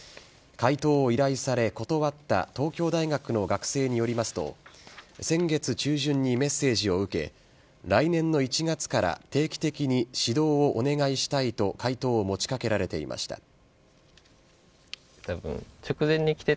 解答を依頼され断った東京大学の学生によりますと先月中旬にメッセージを受け来年の１月から定期的に指導をお願いしたいと解答を持ちかけられていました。